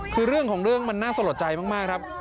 คือเรื่องของเรื่องมันน่าสะลดใจมากครับ